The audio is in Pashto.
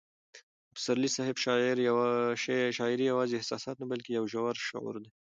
د پسرلي صاحب شاعري یوازې احساسات نه بلکې یو ژور شعور دی.